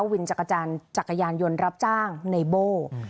วิมุฒิจักรยานยนต์รับจ้างในโบก